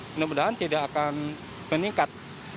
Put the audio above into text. semoga tidak akan meningkat